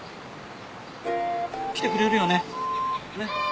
来てくれるよね？ね？